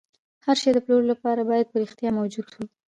هر شی د پلورلو لپاره باید په رښتیا موجود وي